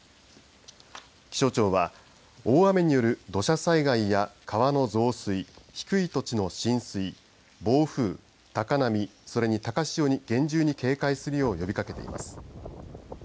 気象庁は、大雨による土砂災害や川の増水、低い土地の浸水暴風、高波それに高潮に厳重に警戒するよう呼びかけています。